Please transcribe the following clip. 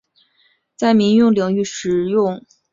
在民用领域使用自动目标识别也有着越来越多的尝试。